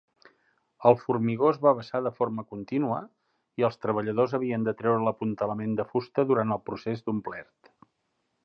El formigó es va vessar de forma continua i els treballadors havien de treure l"apuntalament de fusta durant el procés d"omplert.